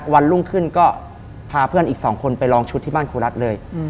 วันรุ่งขึ้นก็พาเพื่อนอีก๒คนไปลองชุดที่บ้านครูรัฐเลย